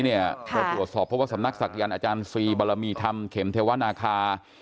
เราตรวจสอบเพราะว่าสำนักศักยันต์อาจารย์ซีบรมีธรรมเข็มเทวนาคา